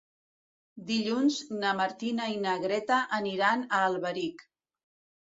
Dilluns na Martina i na Greta aniran a Alberic.